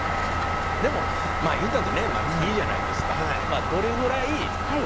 でもまあ言うたってね木じゃないですか。